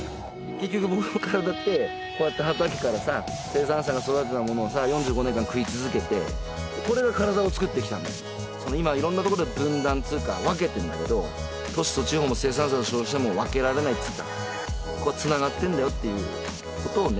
結局僕の体ってこうやって畑からさ生産者が育てたものをさ４５年間食い続けてこれが体を作ってきたんで今いろんなところで分断っつうか分けてんだけど都市と地方も生産者と消費者も分けられないっつうかここはつながってんだよっていうことをね